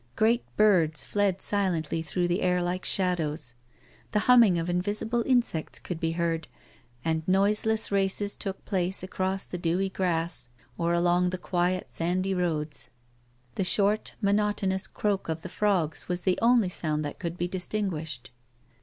Great birds fled silently through the air like shadows ; the liumming of invisible insects could be heard, and noise less races took place across the dewy grass or along the quiet sandy roads. The short monotonous croak of the frogs was the only sound that could be distinguished.